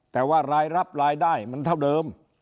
แต่ว่ารายรับรายได้มันเท่าเดิม